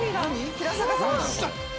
平坂さん。